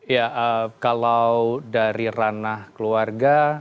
ya kalau dari ranah keluarga